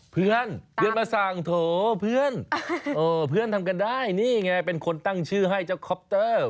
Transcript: เพื่อนเพื่อนมาสั่งโถเพื่อนเพื่อนทำกันได้นี่ไงเป็นคนตั้งชื่อให้เจ้าคอปเตอร์